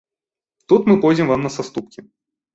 Тут мы пойдзем вам на саступкі.